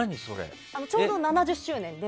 ちょうど７０周年で。